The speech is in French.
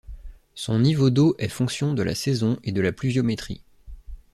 Son niveau d'eau est fonction de la saison et de la pluviométrie.